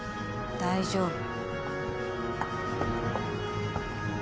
大丈夫。